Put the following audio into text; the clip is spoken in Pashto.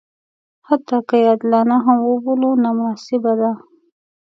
حتی که یې عادلانه هم وبولو نامناسبه ده.